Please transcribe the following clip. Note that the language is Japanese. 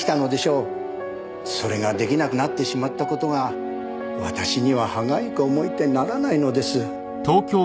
それが出来なくなってしまった事が私には歯がゆく思えてならないのです。